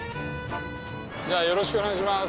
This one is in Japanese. よろしくお願いします。